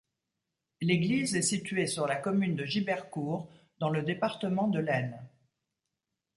L'église est située sur la commune de Gibercourt, dans le département de l'Aisne.